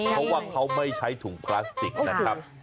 เพราะว่าเขาไม่ใช้ถุงพลาสติกนะครับ